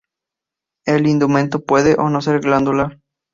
El indumento puede o no ser glandular.